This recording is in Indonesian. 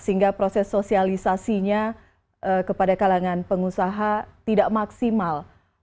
sehingga proses sosialisasinya kepada kalangan pengusaha tidak maksimal